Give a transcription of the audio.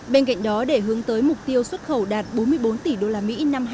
bên cạnh đó để hướng tới mục tiêu xuất khẩu đạt bốn mươi bốn tỷ usd năm hai nghìn hai mươi